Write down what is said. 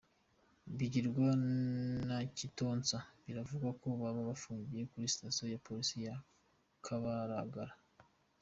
Bigirwa na Kitonsa biravugwa ko baba bafungiye kuri Sitasiyo ya Polisi ya Kabalagala.